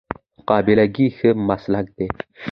قابله ګي ښه مسلک دی